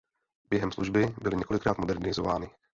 Během služby byly několikrát modernizovány.